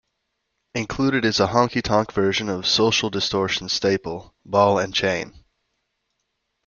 Included is a honky tonk version of Social Distortion staple, "Ball and Chain".